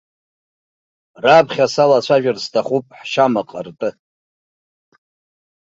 Раԥхьа салацәажәар сҭахуп ҳшьамаҟа ртәы.